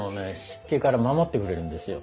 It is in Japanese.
湿気から守ってくれるんですよ。